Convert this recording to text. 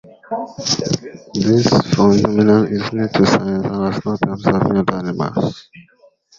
This phenomenon is new to science and has not been observed in other animals.